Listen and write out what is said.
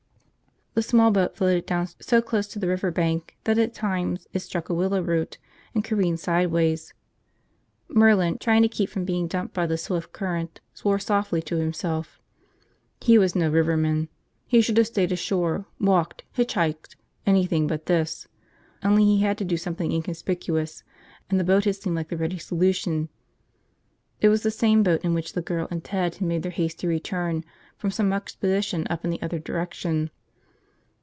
The small boat floated downstream so close to the riverbank that at times it struck a willow root and careened sideways. Merlin, trying to keep from being dumped by the swift current, swore softly to himself. He was no riverman. He should have stayed ashore, walked, hitchhiked, anything but this. Only he had to do something inconspicuous, and the boat had seemed like the ready solution. It was the same boat in which the girl and Ted had made their hasty return from some expedition up in the other direction.